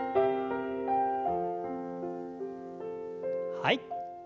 はい。